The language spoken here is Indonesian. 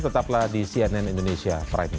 tetaplah di cnn indonesia prime news